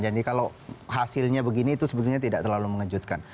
jadi kalau hasilnya begini itu sebetulnya tidak terlalu mengejutkan